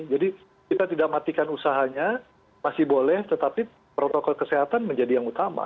jadi kita tidak matikan usahanya masih boleh tetapi protokol kesehatan menjadi yang utama